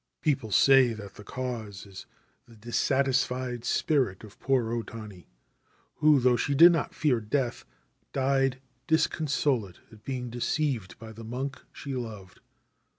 People say that the cause is the dissatisfied spirit of poor O Tani, who, though she did not fear death, died disconsolate at being deceived by the monk she loved.